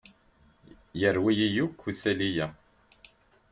Yerwi-yi akk isali-a.